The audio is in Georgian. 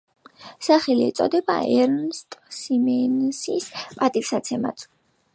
სახელი ეწოდა ერნსტ სიმენსის პატივსაცემად.